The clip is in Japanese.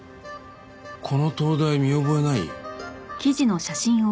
この灯台見覚えない？